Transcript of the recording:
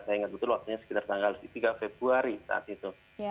saya ingat betul waktunya sekitar tanggal tiga februari saat itu